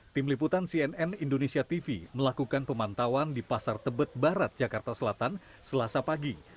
tim liputan cnn indonesia tv melakukan pemantauan di pasar tebet barat jakarta selatan selasa pagi